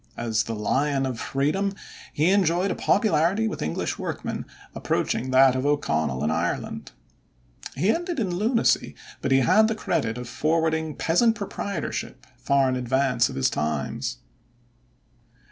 As the Lion of Freedom, he enjoyed a popularity with English workmen approaching that of O'Connell in Ireland. He ended in lunacy, but he had the credit of forwarding peasant proprietorship far in advance of his times.